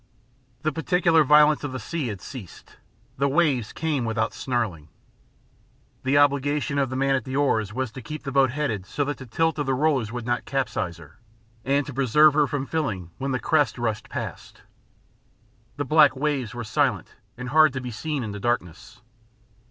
The particular violence of the sea had ceased. The waves came without snarling. The obligation of the man at the oars was to keep the boat headed so that the tilt of the rollers would not capsize her, and to preserve her from filling when the crests rushed past. The black waves were silent and hard to be seen in the darkness.